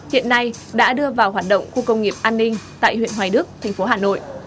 hiện nay đã đưa vào hoạt động khu công nghiệp an ninh tại huyện hoài đức thành phố hà nội